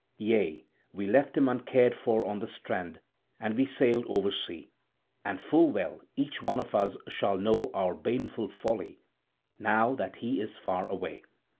Yea, we left him uncared for on the strand and we sailed oversea; and full well each one of us shall know our baneful folly, now that he is far away."